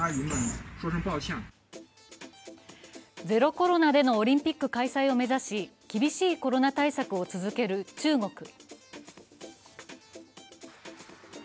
ゼロ・コロナでのオリンピック開催を目指し、厳しいコロナ対策を続ける中国。